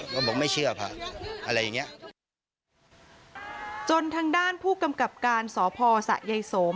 ก็บอกไม่เชื่อค่ะอะไรอย่างเงี้ยจนทางด้านผู้กำกับการสพสะยายสม